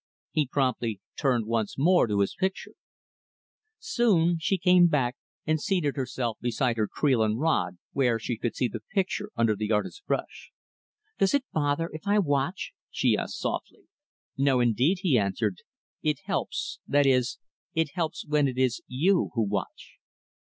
He promptly turned once more to his picture. Soon, she came back, and seated herself beside her creel and rod, where she could see the picture under the artist's brush. "Does it bother, if I watch?" she asked softly. "No, indeed," he answered. "It helps that is, it helps when it is you who watch."